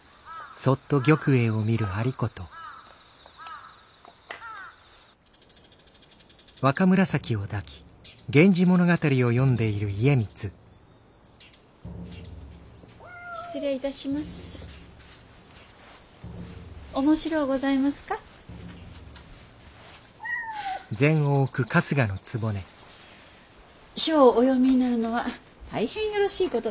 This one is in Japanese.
書をお読みになるのは大変よろしいことです。